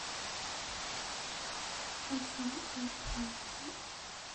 A sam a phawi dih.